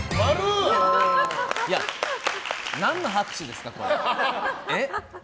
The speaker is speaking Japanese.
何の拍手ですか。